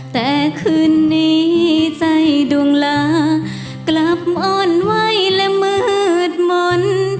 แต่คืนนี้ใจดวงลากลับม่อนไวและมืดมนต์